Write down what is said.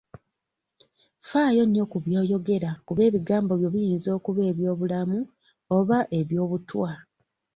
Faayo nnyo ku by'oyogera kuba ebigambo byo biyinza okuba eby'obulamu oba eby'obutwa.